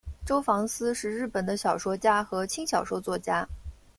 周防司是日本的小说家和轻小说作家。